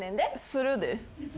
するで。